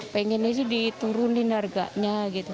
pengennya itu diturunin harganya gitu